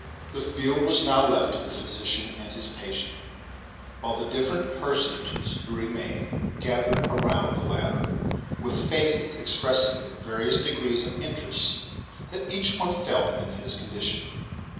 The field was now left to the physician and his patient, while the different personages who remained gathered around the latter, with faces expressing the various degrees of interest that each one felt in his condition.